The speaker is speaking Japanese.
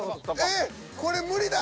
えっこれ無理だ。